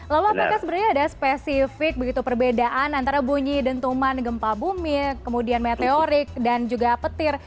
lalu apakah sebenarnya ada spesifik begitu perbedaan antara bunyi dentuman gempa bumi kemudian meteorik dan juga petir